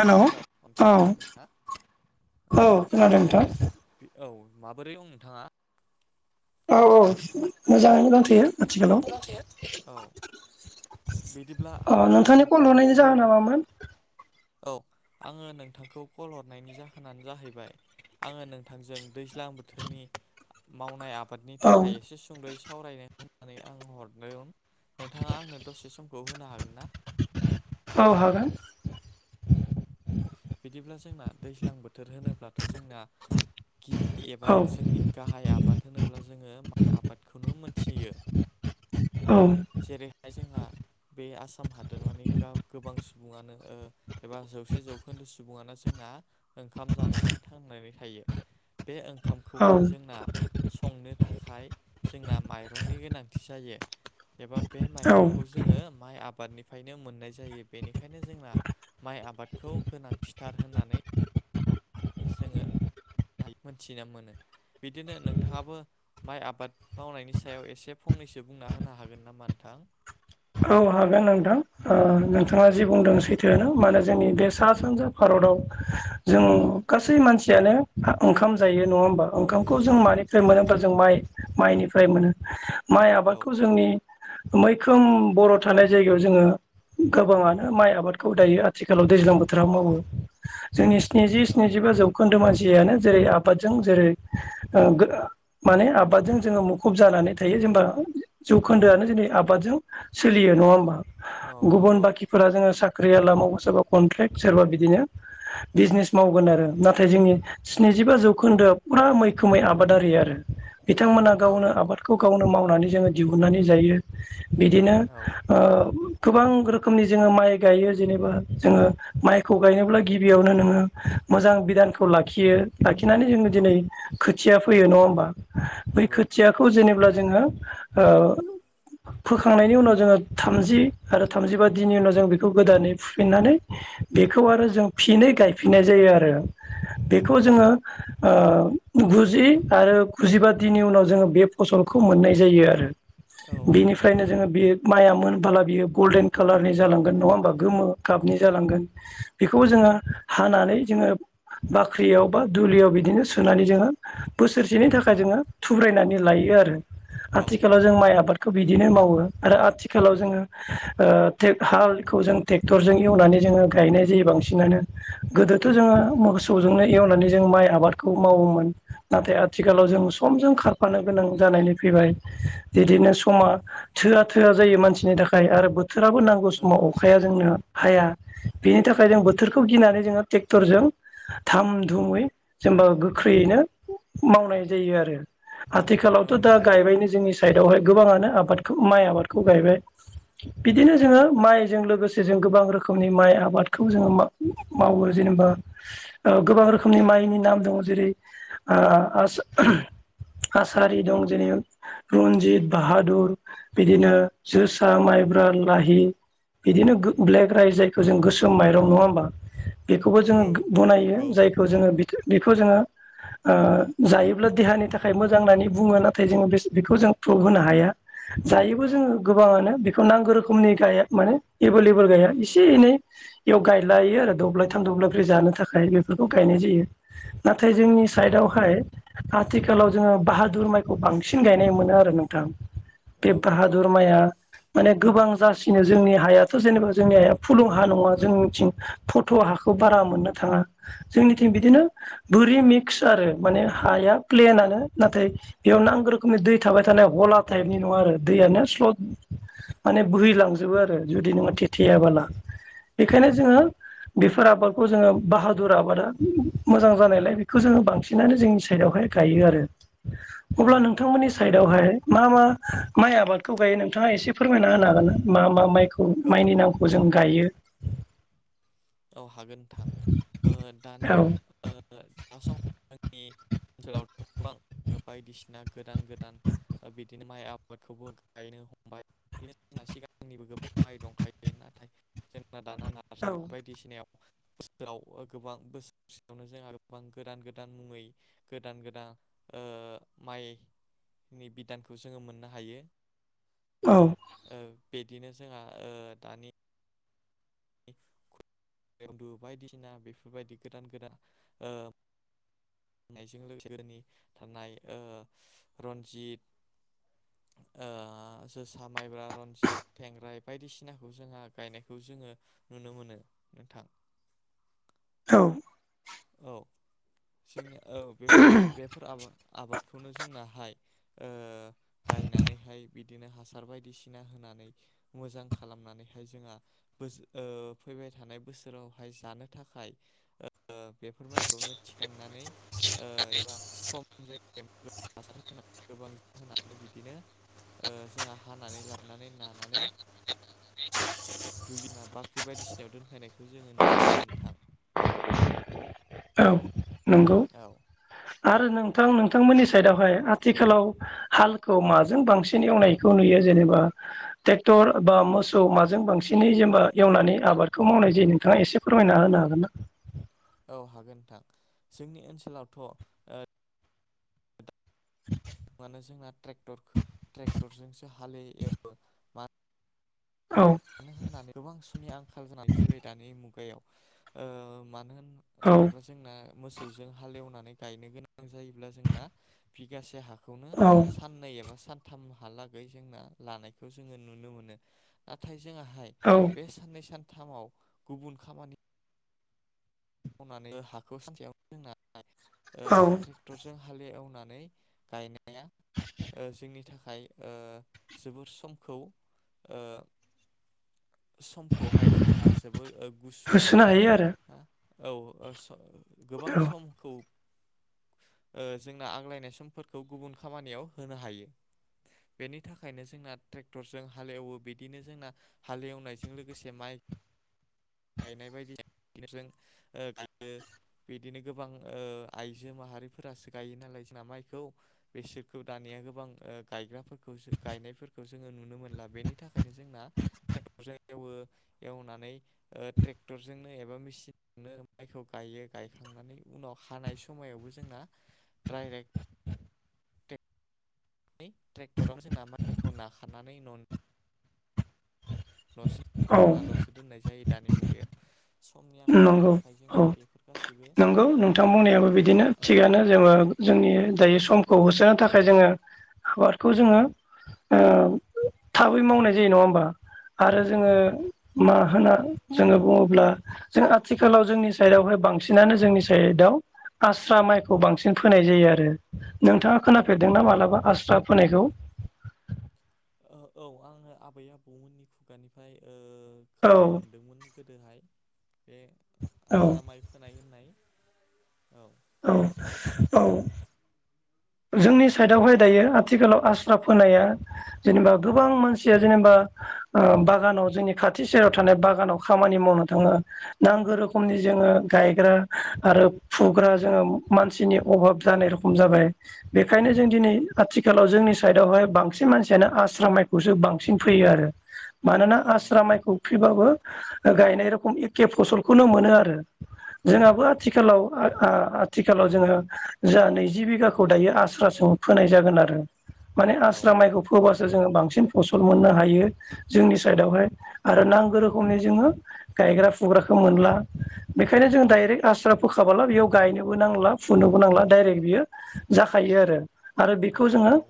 हेल' औ हेलौ नोंथां खोनादोंना? औ औ खोनादों नोंथां। औ माबोरै ओं नोंथाङा? औ औ मोजाङैनो दांथ'यो। [unintelligible] औ बिदिब्ला अ आङो नोंथांनि नोंथांखौ कल हरनायनि दिनैनि जाहोना मामोन औ आङो नोंथांखौ कल हरनायनि जाहोनानो जाहैबाय आङो नोंथांजों दैज्लां बोथोरनि मावनाय आब बादनि औ थाखाय एसे सुंद'यै सावरायनो होननानै आं हरदों नोंथाङा आंनो दसे सम। खौ होनो हागोन ना? औ हागोन। बिदिब्ला जोंना दैज्लां बोथोर होनोब्लाथ' जोंना गि एबा औ जोंनि गाहाय आबाद होनोब्ला जोङो माइ आबादखौनो मोन थियो औ जेरैहाय जोंहा। बे आसाम हादोर माने गा गोबां सुबुङानो ओ एबा जौसे जौ। खोन्दो सुबुङा जोंना ओंखाम जानानै थांनानै थायो बे ओ औ ओंखामखौहाय जोंना संनो था खाय जोंना माइरंनि गोनांथि जायो। एबा बे माइरंखौ औ जोङो माइ आबादनि बफायनो मोननाय जायो बेनिखायनो जोंना माइ आबादखौ। गोनांथिथार होननानै जोङो मोनथिना मोनो। बिदिनो नोंथाङाबो माइ आबाद मावनायनि सायाव एसे फंनैसो बुंना होनो हागोन नामा नोंथां। थां। औ हागोन नोंथां ओ औ नोंथाङा जि बुंदों सै थोआनो माने जोंनि बे सा सानजा भारताव जों औ गासै मानसि। यानो ओंखाम जायो नङा होमबा ओंखामखौ जों मानिफ्राय मोनो होमा जों माइ माइनिफ्राय मोनो। माइ औ आबादखौ जोंनि मैखोम बर' थानाय जायगायाव जोङो। गोबाङानो माइ आबादखौ दायो आथिखालाव दैज्लां बोथोराव मावो जोंनि स्निजि औ सिनिजिब जौखोन्दो मानस सियानो जेरै- आबादजों जेरै- माने आबादजों जोङो मुखुब जानानै थायो। जेनेबा जौखोन्दोआनो जोंनि आबादजों। सोलियो नङा होमबा गुबुन नंगौ बाकिफोरा जोङो सा ख्रिआवला सोरबा कनट्रेक्ट सोरबा बिदिनो बिजनेस मावगोन आरो नाथाय जोंनि स्नि जिबा जौखोन्दो फुरा मैखोमै आबादारि आरो। बिथांमोना औ गावनो नंगौ आबादखौ गावनो मावनानै जोङो दिहुननानै जायो बिदि औ ओ। गोबां रोखोमनि जोङो माइ गायो जेनेबा जोङो माइखौ गायनोब्ला गिबियावनो नोङो। मोजां बिडानखौ लाखियो। लाखिनानै जोङो औ दिनै खोथिया फैयो नङा होमबा बै नंगौ खोथियाखौ जेनेब्ला जोङो ओ फोखांनायनि उनाव जोङो थामजि आरो थामजिबा दिननि उनाव जों बेखौ गोदानै फुफिननानै बेखौ आरो जों फिनै गायफिननाय जायो आरो। बेखौ जोङो ओ गुजि आरो गुजिबा दिनि उनाव जोङो बे फसल खौ मोननाय जायो आरो औ नंगौ बेनिफ्रायनो जोङो बे माइआ मोनबोला बियो गल्डेन कालारनि जालांगोन नङा होमा गोमो गाबनि जालांगोन बेखौ जोङो हानानै जोङो। बाख्रियाव बा दुलियाव बिदिनो सुनानै जोङो बोसोरसेनि थाखाय जोङो थुब्रायनानै लायो आरो। औ आथिखालाव जों माइ आबादखौ बिदिनो मावो। आरो आथिखालाव जोङो ओ टे हालखौ जों ट्रेक्टरजों एवनानै जोङो गायनाय जायो बांसिनानो। गोदोथ' औ जोङो मगस सौजोंनो एवनानै जों माइ आबादखौ मावोमोन नाथाय आथिखालाव जों समजों खारफानो गोनां जा नानैफैबाय बिदिनो समा थोआ-थोआ जायो मानसिनि थाखाय आरो बोथोराबो नांगौ समाव अखाया जोंनो। हाया बेनि थाखाय जों बोथोरखौ गिनानै जोङो टेक्टरजों धाम-धुमै जों बो गोख्रैयैनो मावनाय जायो आरो। औ आथिखालावथ दा नंगौ गायबायनो जोंनि साइडआवहाय गोबाङानो आबादखौ माइ आबादखौ गायबाय। बिदिनो जोङो माइजों लोगोसे जों गोबां रोखोमनि माइ आबादखौ जोङो मा-मावो जेनेबा गोबां रोखोमनि माइनि नाम दङ जेरै आ--आस--आसारि दं जेरै रन्जित, औ औ बाहादुर बिदिनो जोसा, माइब्रा, लाहि बिदिनो गो ब्लेक राइस जायखौ जों गोसोम माइरं नङा होमबा बेखौबो जोङो बनायो नंगौ जायखौ जोङो बेखौ जोङो ओ जायोब्ला देहानि थाखाय मोजां होननानै बुङो नाथाय जोङो बे बेखौ जों प्रुभ होनो हाया जायोबो औ जोङो गोबाङानो बेखौ नांगौ रोखोमनि गाया माने एभेलेबल गाया एसे - एनै बेयाव गायलायो आरो दब्लायथाम द ब्लायब्रै जानो थाखाय बेफोरखौ गायनाय जायो नाथाय जोंनि औ साइडआवहाय नंगौ आथिखालाव जोङो बाहादुर माइखौ बांसिन गायनाय मोनो आरो नोंथां बेे औ नंगौ बाहादुर माइआ माने गोबां जासिनो जोंनि हायाथ जेनेबा जोंनि हाया फुलुं हा नङा जों मिथिं फट हाखौ बारा मोननो थाङा जोंनिथिं औ बिदिनो बोरि मि क्स आरो माने हाया प्लेनानो नाथाय बेयाव नांगौ रोखोमनि दै थाबाय थानाय हला टाइप नङा आरो दैयानो स्लड माने बोहैलांजोबो आरो जुडि नों थेड थेयाबोला बेखायनो जोङो बेफोर आबादखौ जोङो बाहादुर आबादा मोजां जानायलाय बेखौ जोङो बांसिनानो जोंनि साइडआवहाय गायो आरो अब्ला नंगौ नोंथांमोननि नोंथां साइडआवहाय मा मा माइ आबादखौ गायो नोंथाङा एसे फोरमायना होनो हागोन मा मा माइखौ औ माइनि नामखौ जों गायो औ हागोन नोंथांओ दानि औ ओ [unintelligible] ओनसोलावथ गोबां बायदिसिना गोदान - गोदान बिदिनो माइ आबादखौबो गायनो हमबाय बि जोंना सिगांनिबो गोबां माइ दंखायो नाथाय जों जोंना दाना नार्सारि औ बायदिसिनायाव याव गोबां बोसोरसेयावनो जोंहा गोबां गोदान गोदान मुङै गोदान- गोदान ओ उह माइ नि बिदानखौ जोंङो मोननो हायो। औ ओ बिदिनो जोंहा उह दानि [unintelligible] बेवदु बायदिसिना बेफोरबायदि गोदान गोदान ओ नायजों लोगोसे [inaudible] नि थानाय ओ रन्जित ओ जोसा माइब्रा रनजित थेंग्राय बायदिसिनाखौ जोंहा गायनायखौ ज जोङो नुनो मोनो नोंथां। औ औ जोंनि औ बेफोरा-बेफोर आबा आबादखौनो जोंनाहाय ओ गायनानैहाय बिदिनो हासार बायदिसिना होना नानै मोजां खालामनानैहाय जोंहा बोस उह फैबाय थानाय बोसोरावहाय जानो थाखाय ओ बेफोर माइखौनो थिखांनानै ओ एबा खम जायग [unintelligible] हासार होना गोबां जो हानानै बिदिनो ओ जोंहा हानानै लाबोनानै नानानै [unintelligible] दुलिमा बाख्रि बायदिसिनायाव दोनफायनायखौ जोङो नुनो नोंथां। औ नोंगौ औ आरो नोंथां नों थांमोननि साइदआवहाय आथिखालाव हालखौ माजों बांसिन एवनायखौ नुयो जेनेबा टेक्टर बा मोसौ माजों बांसिनै जेनबा एवनानै आबादखौ मावनाय जायो नोंथाङा एसे फोरमायना होन ना हागोन ना? औ हागोन ओनथां जोंनि ओनसोलावथ' उह [unintelligible] मानो जोंना ट्रेक्टरखो ट्रेक्टरजोंसो हालेयो बो मा औ मानो होननानै गोबां सुमनि आंखाल जानानै फैबाय दानि मुगायाव ओ मानो होन औ जेनोबा जोंना मोसौजों हालेवनानै गायनो गोनां जायोब्ला जोंना बिगासे हा खौनो औ साननै एबा सान थाम हालागै जोंना लानायखौ जोङो नुनो मोनो नाथाय जोंङाहाय औ बे साननै सानथामाव गुबुन खामानि मावनानै ओ हाखौ सानसेयावनो दोननानै ओ औ ट्रेक्टरजों हालेव नानै गायनाया ओ जोंनि थाख खाय ओ जोबोर समखौ ओ समखौहाय जोंहा जोबोर ओ गुसुं होसोनो एबा हायो आरो आ औ ओ स गोबां औ समखौ ओ जोंना आग्लायनाय समफोरखौ गुबुन खामानियाव होनो हायो। बेनि थाखायनो जोंना ट्रेक्टरजों हालेवो बिदिनो जोंना हालेवनायजों लोगोसे माइ [inaudible] गायनाय बायदि [unintelligible] फोरजों ओगायो बिदिनो गोबां ओ आइजो माहारिफोरासो गायो नालाय जोंना माइखौ बेसोरखौ दानिया गोबां ओ गायग्राफोर खौसो गायनायफोरखौस जोङो नुनो मोनला बेनि थाखायनो जोंना ट्रेक्टरजों एवो एवनानै ओ ट्रेक्टर टरजोंनो एबा मेचिननो बेखौ गायो गायखांनानै उनाव हानाय स समायावबो जोंना ड्राइरेक्ट टेक नै ट्रेक्टराव जोंना माइखौ नाखानानै न' न'सिम औ [unintelligible] बनाल'सो दोननाय जायो दानि मुगायाव समनि आंखालनि नंगौ थाखाय औ जोंना बेफोर गासैबो नोंगौ ओ नोंथां आबाद बुंनायाबो बिदिनो औ थिगानो जोङो जोंनि दायो समखौ होसोनो थाखाय जोङो आबादखौ जोङो ओ थाबै मावनाय जायो नङा होमबा? आरो औ जोंङो नंगौ मा होनना जोंङो बुंङोब्ला जों आथिखालाव जोंनि साइडआवहाय बांसिनानो जोंनि साइडआव। आस्रा औ माइखौ बांसिन फोनाय जायो आरो। नोंथाङा औ खोनाफेरदोंना मालाबा आस्रा फोनायखौ औ आङो आबै - आबौमोननि खुगानिफ्राय औ खोनानो मोनदोंमोन गोदोहाय बे औ आस्रा माइ फोनाय होननाय। औ। औ -औ। [inaudible] जोंनि साइडआवहाय दायो आथिखालाव आस्रा फोनाया जेनेबा गोबां मानसिया जेनेबा। बागानाव जोंनि खाथि सेराव थानाय बागानाव खामानि मावनो थाङो। नांगौ औ रोखोमनि जोङो गायग्रा आरो फुग्रा। मानसिनि अभाब जानाय रखम जाबाय बेनिखायनो औ जों दिनै आथिखाल आथिखालाव जोंनि साइडआवहाय बांसिन मानसियानो आस्रा माइखौसो बांसिन फैयो आरो। मानोना औ आस्रा नंगौ माइखौ खुबैबाबो। गायनाय रखम एखे फसलखौनो मोनो आरो जोंहाबो आथिखालाव। आथिखालाव जोङो जा नैजि बिगाखौ दायो आस्रासों फोनाय जागोन आरो। माने औ आस्रा माइखौ फोबासो। जोंक्षबांसिन फसल मोननो हायो जोंनि साइडआवहाय आरो नांगौ रोखोमनि जोङो। गायग्रा फुग्राखौ मोनला बेखायनो जों डाइरेक्ट आसार फोखाबोला बेयाव गायनोबो नांला फुनोबो नांला डाइरेक्ट बियो जाखायो आरो। आरो औ बेखौ जोङो नंगौ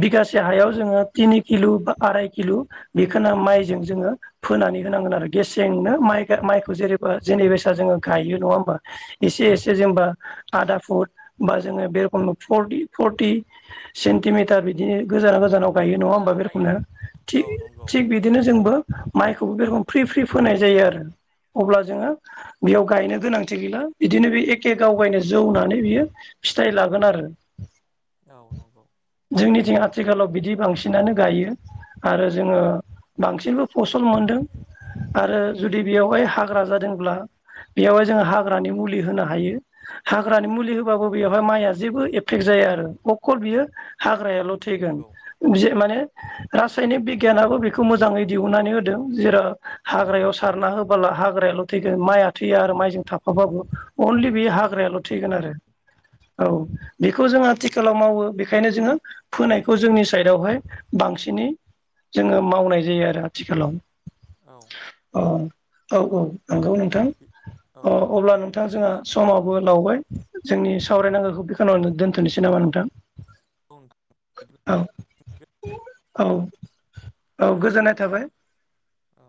बिगासे से हायाव जोङो थिनि किल' बा, आराय किल' बेखौनो माइजों जोङो फोनानै होनांगोन आरोखि। गेसेंनो माइ माइखौ जेरेबा जों बैसा जोङो गायो नङा होमबा एसे। नंगौ जेनबा आदा फुट बा जोङो बे रखम फरटि-फरटि सेन्टिमिटार बि बिदिनो गोजा-गोजानाव गायो नङा होमबा गोजानाव बे गायो रोखोमनो औ नंगौ थि-थिग बिदिनो जोंबो माइखौबो बे रोखोम फ्रि फ्रि फोनाय जायो आरो। अब्ला जोङो बेयाव गायनो गोनांथि गैला बिदिनो बे एक के गाव गावनो जौनानै बियो फिथाइ लागोन आरो। औ नंगौ। जोंनिथिं आथिखालाव बिदि बांसिनानो गायो आरो जोङो औ बांसिनल' फसल मोन आरो जुदि बेवहाय हाग्रा जादोंब्ला बेयावहाय जोंङो हाग्रानि मुलि होनो हायो। हाग्रानि मुलि होबाबो बेवहाय माइआ जेबो एफेक्ट जाया आरो अकल बियो हाग्रायाल' थैगोन। नंगौ जे माने रासायनिक बिगियानाबो बेखौ मोजाङै दिहुननानै दों हाग्रायाव सारना होबाल हाग्राल थैगोन माइआ थैया आरो माइजों थाफाबाबो अल बे औ नंगौ हाग्रायाल' नोंथां थैगोन आरो थारैनो औ बेखौ जों नंगौ आथिखालाव मावो बेखायनो जोङो फोनायखौ जोंनि साइदआवहाय बांसिनै जोङो मावनाय जायो आरो आथिखालाव। औ। अ औ नंगौ नोंथां औ अ अब्ला बिदिनो नोंथाङा जोंहा जोंना समावबो औ लावबाय जोंनि सावरायनांगौखौ बेखिनियावनो दोनथ'नोसै नामा नोंथां। औ बिदि। औ [unintelligible] औ औ गोजोननाय थाबाय। औ।